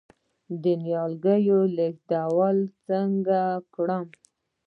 د نیالګي لیږدول څنګه وکړم؟